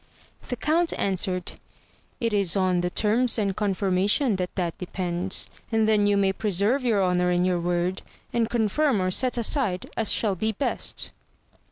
The count answered, It is on the terms and confirmation that that depends, and then you may preserve your honour and your word, and confirm or set aside as shall be best.